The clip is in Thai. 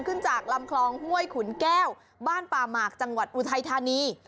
ขึ้นจากลำคลองห้วยขุนแก้วบ้านป่าหมากจังหวัดอุทัยธานี